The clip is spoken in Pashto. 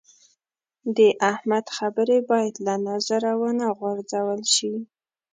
د احمد خبرې باید له نظره و نه غورځول شي.